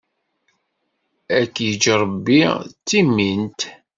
Ad k-iǧǧ Ṛebbi d timint!